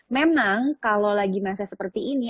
memang kalau lagi masa seperti ini